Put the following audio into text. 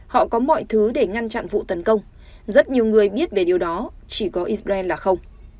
họ có mọi thứ để ngăn chặn vụ tấn công rất nhiều người biết về điều đó chỉ có israel là không